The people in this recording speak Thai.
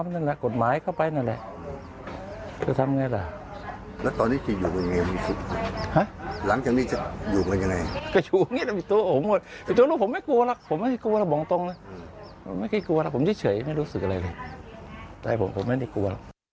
ไม่เคยกลัวนะผมเฉยไม่รู้สึกอะไรไปแต่ผมไม่ได้กลัว